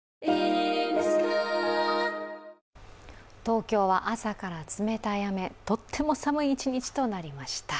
東京は朝から冷たい雨、とっても寒い一日となりました。